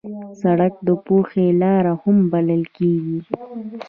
سړک د پوهې لار هم بلل کېږي.